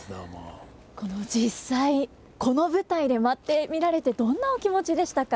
実際この舞台で舞ってみられてどんなお気持ちでしたか。